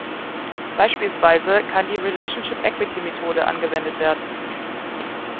Beispielsweise kann die Relationship-Equity-Methode angewendet werden.